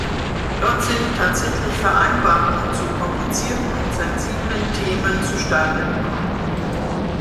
Dort sind tatsächlich Vereinbarungen zu komplizierten und sensiblen Themen zustande gekommen.